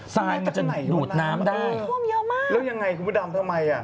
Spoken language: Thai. ทรายมันจะดูดน้ำได้ท่วมเยอะมากแล้วยังไงคุณพระดำทำไมอ่ะ